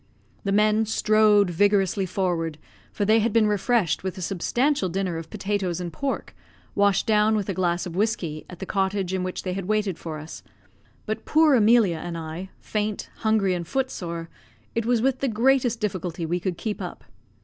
The men strode vigorously forward, for they had been refreshed with a substantial dinner of potatoes and pork, washed down with a glass of whiskey, at the cottage in which they had waited for us; but poor Emilia and I, faint, hungry, and foot sore, it was with the greatest difficulty we could keep up.